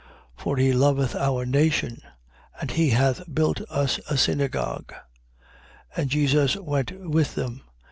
7:5. For he loveth our nation: and he hath built us a synagogue. 7:6. And Jesus went with them.